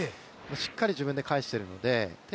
しっかり自分で返しているので鄭